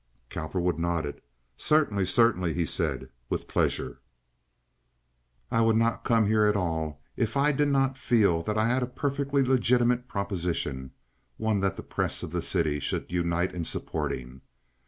Cowperwood nodded. "Certainly, certainly," he said. "With pleasure. I would not come here at all if I did not feel that I had a perfectly legitimate proposition—one that the press of the city should unite in supporting.